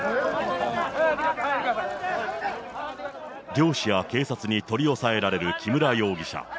漁師や警察に取り押さえられる木村容疑者。